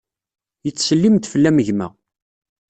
Yettsellim-d fell-am gma.